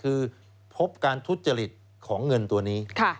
คือพบการทุจริตของเงินตัวนี้